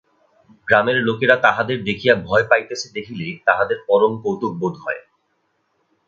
গ্রামের লোকেরা তাহাদের দেখিয়া ভয় পাইতেছে দেখিলে তাহাদের পরম কৌতুক বোধ হয়।